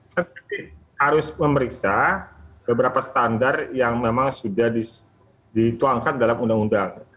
tetapi harus memeriksa beberapa standar yang memang sudah dituangkan dalam undang undang